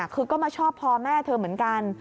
คือก็มาชอบพอแม่เธอเหมือนกัน